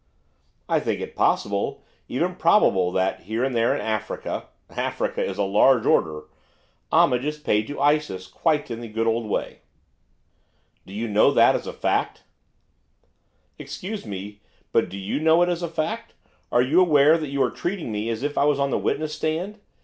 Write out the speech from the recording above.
'I think it possible, even probable, that, here and there, in Africa Africa is a large order! homage is paid to Isis, quite in the good old way.' 'Do you know that as a fact?' 'Excuse me, but do you know it as a fact? Are you aware that you are treating me as if I was on the witness stand?